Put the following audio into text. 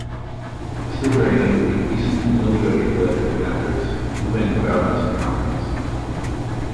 Still very angry, he sent an ill-judged letter to Bathurst complaining of Oudney's incompetence.